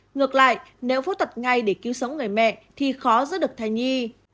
ngược lại nếu phốt tật ngay để cứu sống người mẹ thì khó giữ được thay nhi